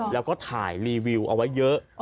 แล้วก็ถ่ายรีวิวเอาไว้เยอะ